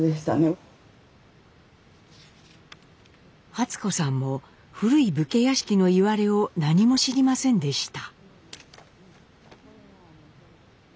初子さんも古い武家屋敷のいわれを何も知りませんでした。